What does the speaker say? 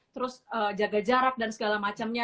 terus jaga jarak dan segala macamnya